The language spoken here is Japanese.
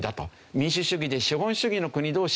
民主主義で資本主義の国同士